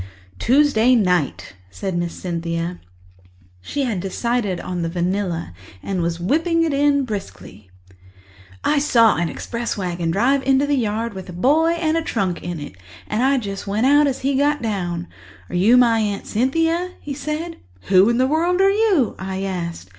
"Tuesday night," said Miss Cynthia. She had decided on the vanilla and was whipping it briskly in. "I saw an express wagon drive into the yard with a boy and a trunk in it and I went out just as he got down. 'Are you my Aunt Cynthia?' he said. 'Who in the world are you?' I asked.